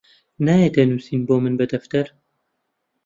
نایەتە نووسین بۆ من بە دەفتەر